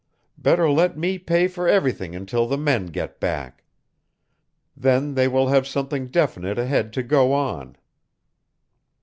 Better let me pay for everything until the men get back. Then they will have something definite ahead to go on."